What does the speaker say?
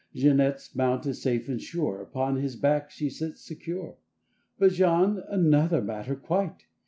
Jeanette's mount is safe and sure, Upon his back she sits secure. But Jean—another matter, quite!